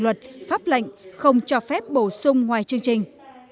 luật pháp lệnh không cho phép bổ sung ngoài chương trình